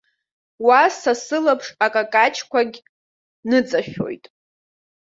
Уа са сылаԥш акакаҷқәагь ныҵашәоит.